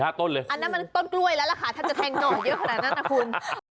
อันนั้นมันต้นกล้วยแล้วล่ะค่ะถ้าจะแทงหน่อเยอะขนาดนั้นนะคุณ